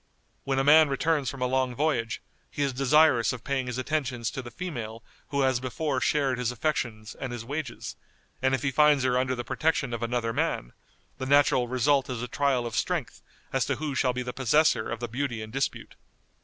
When a man returns from a long voyage, he is desirous of paying his attentions to the female who has before shared his affections and his wages, and if he finds her under the protection of another man, the natural result is a trial of strength as to who shall be the possessor of the beauty in dispute.